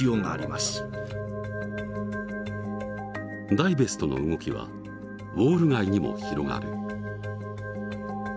ダイベストの動きはウォール街にも広がる。